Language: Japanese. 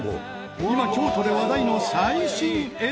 今京都で話題の最新エリアへ。